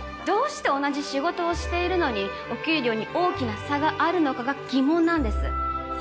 どうして同じ仕事をしているのにお給料に大きな差があるのかが疑問なんです。